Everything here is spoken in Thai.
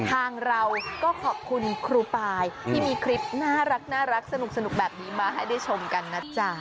ทางเราก็ขอบคุณครูปายที่มีคลิปน่ารักสนุกแบบนี้มาให้ได้ชมกันนะจ๊ะ